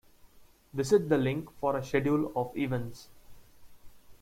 Visit the link for a schedule of events.